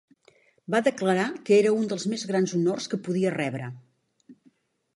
Va declarar que era un dels més grans honors que podia rebre.